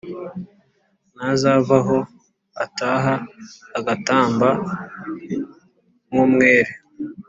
Ntazavaho ataha Agatamba nk’umwere?